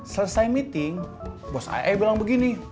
selesai meeting bos ayah bilang begini